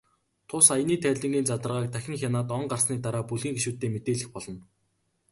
Тус аяны тайлангийн задаргааг дахин хянаад, он гарсны дараа бүлгийн гишүүддээ мэдээлэх болно.